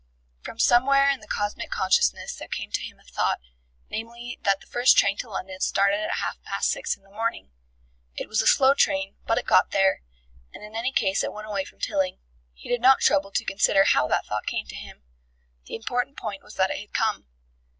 From somewhere in the Cosmic Consciousness there came to him a thought, namely, that the first train to London started at half past six in the morning. It was a slow train, but it got there, and in any case it went away from Tilling. He did not trouble to consider how that thought came to him: the important point was that it had come.